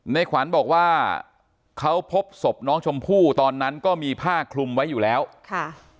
ในขวัญบอกว่าเขาพบศพน้องชมพู่ตอนนั้นก็มีผ้าคลุมไว้อยู่แล้วค่ะ